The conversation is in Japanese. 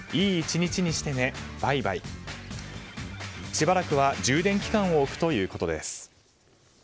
しばらくは充電期間を置くということです。